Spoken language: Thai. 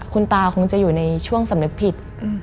คุณตาคงจะอยู่ในช่วงสำนึกผิด